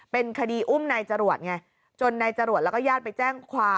เป็นคดีอุ้มนายจรวดไงจนนายจรวดแล้วก็ญาติไปแจ้งความ